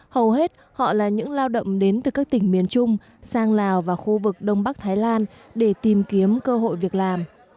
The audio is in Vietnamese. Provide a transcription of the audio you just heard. hầu hết họ là những lao động đến từ các tỉnh miền trung sang lào và khu vực đông bắc thái lan để tìm kiếm cơ hội việc làm